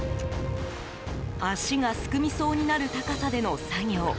足がすくみそうになる高さでの作業。